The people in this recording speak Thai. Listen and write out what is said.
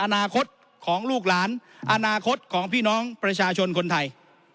อนาคตของลูกหลานอนาคตของพี่น้องประชาชนคนไทย